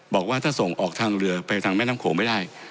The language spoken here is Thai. บอกว่าถ้าส่งออกทางเรือไปทางแม่น้ำโขงไม่ได้